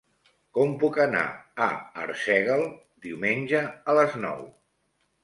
Com puc anar a Arsèguel diumenge a les nou?